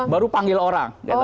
baru panggil orang